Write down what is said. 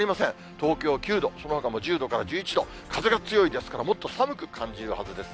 東京９度、そのほかも１０度から１１度、風が強いですからもっと寒く感じるはずです。